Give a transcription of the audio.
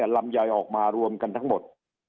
ลำไยออกมารวมกันทั้งหมด